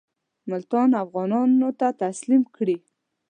ملتان افغانانو ته تسلیم کړي.